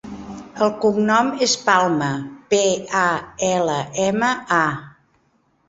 El cognom és Palma: pe, a, ela, ema, a.